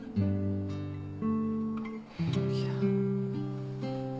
いや。